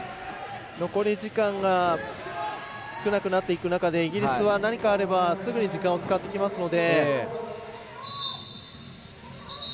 残り時間が少なくなっていく中でイギリスは何かあればすぐに時間を使ってきますので。